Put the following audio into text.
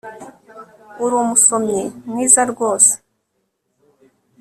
Urumusomyi mwiza rwose